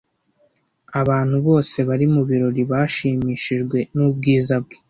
Abantu bose bari mu birori bashimishijwe nubwiza bwe.